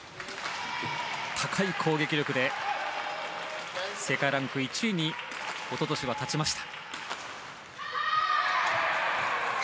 高い攻撃力で世界ランク１位に一昨年は立ちました。